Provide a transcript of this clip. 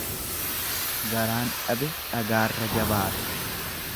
Garaan dhabe dhagaarra jabaata.